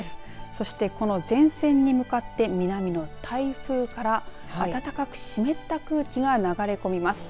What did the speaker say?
そして、この前線に向かって南の台風から暖かく湿った空気が流れ込みます。